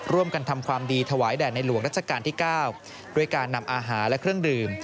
ร่วมกันทำความดีถวายแด่ในหลวงรัชกาลที่๙ด้วยการนำอาหารและเครื่องดื่ม